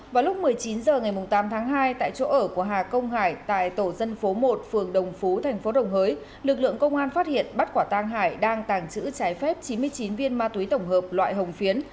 vào lúc một mươi chín h ngày tám tháng hai tại chỗ ở của hà công hải tại tổ dân phố một phường đồng phú thành phố đồng hới lực lượng công an phát hiện bắt quả tang hải đang tàng trữ trái phép chín mươi chín viên ma túy tổng hợp loại hồng phiến